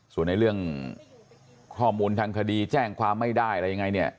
ส่วนในเรื่องข้อมูลทางคดีแจ้งความไม่ได้อะไรยังไงเนี่ย